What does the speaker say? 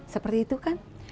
seperti itu kan